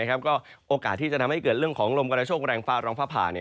ก็โอกาสที่จะทำให้เกิดเรื่องของลมกระโชคแรงฟ้าร้องฟ้าผ่า